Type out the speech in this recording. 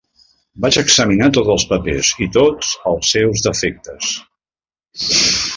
Vaig examinar tots els papers i tots els seus defectes.